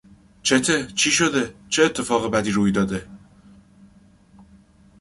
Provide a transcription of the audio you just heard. چته؟، چی شده؟، چه اتفاق بدی روی داده؟